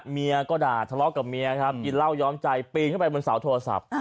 เมียก็ด่าทะเลาะกับเมียครับกินเหล้าย้อมใจปีนขึ้นไปบนเสาโทรศัพท์